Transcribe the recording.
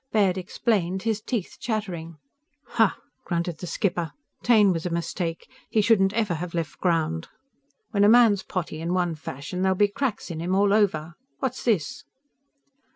Baird explained, his teeth chattering. "Hah!" grunted the skipper. "_Taine was a mistake. He shouldn't ever have left ground. When a man's potty in one fashion, there'll be cracks in him all over. What's this?